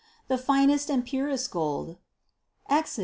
The finest and purest gold (Exod.